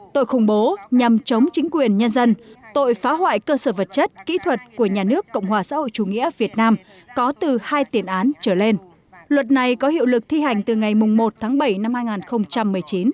tội khủng bố nhằm chống chính quyền nhân dân tội phá hoại cơ sở vật chất kỹ thuật của nhà nước cộng hòa xã hội chủ nghĩa việt nam có từ hai tiền án trở lên luật này có hiệu lực thi hành từ ngày một tháng bảy năm hai nghìn một mươi chín